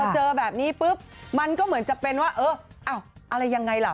เจอแบบนี้ปุ๊บมันก็เหมือนจะเป็นว่าเอออ้าวอะไรยังไงล่ะ